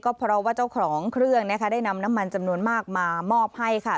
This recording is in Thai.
เพราะว่าเจ้าของเครื่องนะคะได้นำน้ำมันจำนวนมากมามอบให้ค่ะ